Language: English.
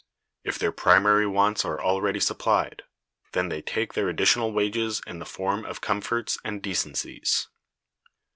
If their primary wants are already supplied, then they take their additional wages in the form of comforts and decencies.